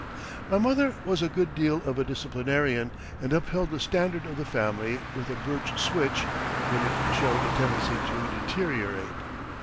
My mother was a good deal of a disciplinarian, and upheld the standard of the family with a birch switch when it showed a tendency to deteriorate.